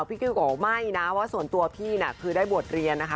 พี่กิ๊กบอกว่าไม่นะว่าส่วนตัวพี่น่ะคือได้บวชเรียนนะคะ